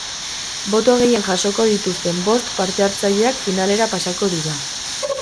Boto gehien jasoko dituzten bost parte-hartzaileak finalera pasako dira.